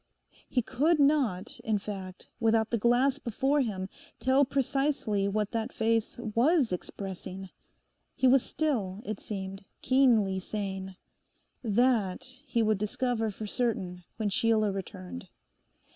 He could not, in fact, without the glass before him, tell precisely what that face was expressing. He was still, it seemed, keenly sane. That he would discover for certain when Sheila returned.